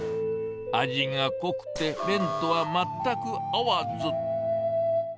味が濃くて、麺とはまったく合わず。